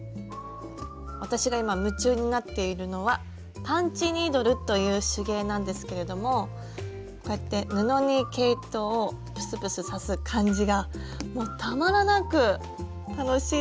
私が今夢中になっているのは「パンチニードル」という手芸なんですけれどもこうやって布に毛糸をプスプス刺す感じがもうたまらなく楽しいです。